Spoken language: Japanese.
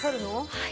はい。